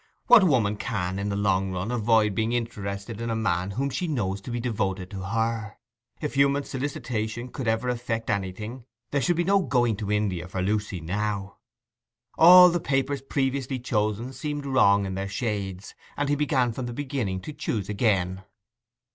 What woman can in the long run avoid being interested in a man whom she knows to be devoted to her? If human solicitation could ever effect anything, there should be no going to India for Lucy now. All the papers previously chosen seemed wrong in their shades, and he began from the beginning to choose again.